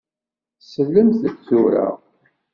Slemt-d tura!